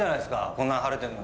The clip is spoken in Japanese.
こんな晴れてるのに。